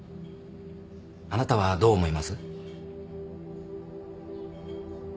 あなたはどう思います？